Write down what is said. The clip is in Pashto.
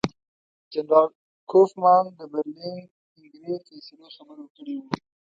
جنرال کوفمان د برلین کنګرې فیصلو خبر ورکړی وو.